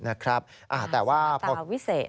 อาสาตาวิเศษ